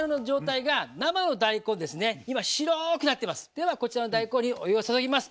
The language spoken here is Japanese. ではこちらの大根にお湯を注ぎます。